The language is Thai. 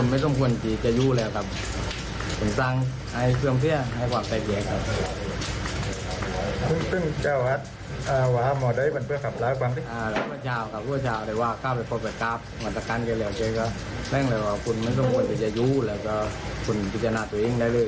มันวัถกันกันแล้วนักบุญก็เท่านั้นแล้วว่าคุณมันกวนฉันจะอยู่แล้วก็คุณคุกสรรงะตัวเองได้เลย